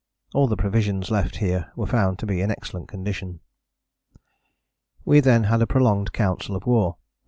All the provisions left here were found to be in excellent condition. We then had a prolonged council of war.